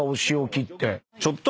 ちょっと。